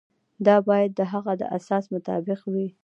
دا باید د هغه د احساس مطابق وي.